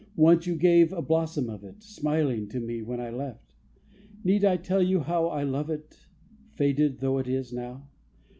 Once you gave a blossom of it, Smiling, to me when I left: Need I tell you how I love it Faded though it is now!